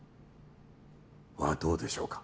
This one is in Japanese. はどうでしょうか？